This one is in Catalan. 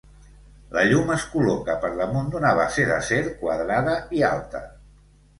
La llum es col·loca per damunt d'una base d'acer quadrada i alta.